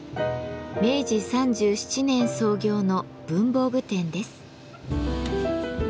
明治３７年創業の文房具店です。